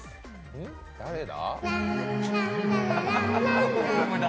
誰だ？